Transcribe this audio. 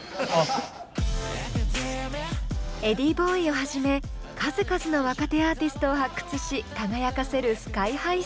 ｅｄｈｉｉｉｂｏｉをはじめ数々の若手アーティストを発掘し輝かせるＳＫＹ−ＨＩさん。